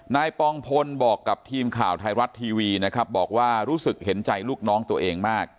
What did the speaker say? ปองพลบอกกับทีมข่าวไทยรัฐทีวีนะครับบอกว่ารู้สึกเห็นใจลูกน้องตัวเองมาก